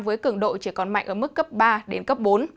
với cường độ chỉ còn mạnh ở mức cấp ba đến cấp bốn